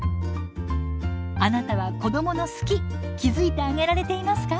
あなたは子どもの「好き」気付いてあげられていますか？